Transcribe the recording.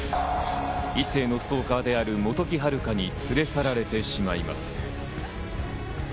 一星のストーカーである本木陽香に連れ去られてしまいます。